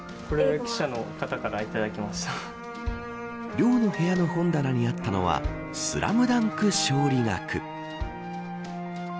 寮の部屋の本棚にあったのはスラムダンク勝利学。